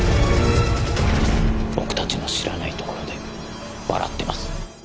僕たちの知らないところで笑ってます。